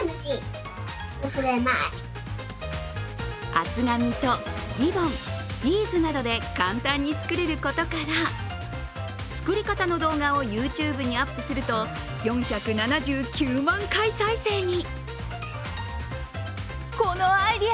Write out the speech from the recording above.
厚紙とリボン、ビーズなどで簡単に作れることから、作り方の動画をＹｏｕＴｕｂｅにアップすると４７９万回再生に。